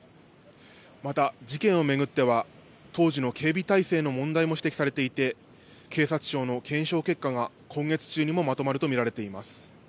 また、事件を巡っては、当時の警備体制の問題も指摘されていて、警察庁の検証結果が今月中にもまとまると見られています。